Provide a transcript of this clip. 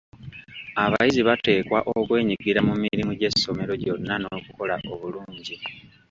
Abayizi bateekwa okwenyigira mu mirimu gy'essomero gyonna n'okukola obulungi.